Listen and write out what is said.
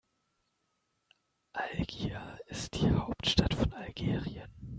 Algier ist die Hauptstadt von Algerien.